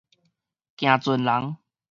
行船人